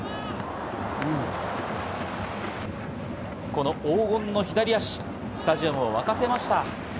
この黄金の左足、スタジアムを沸かせました。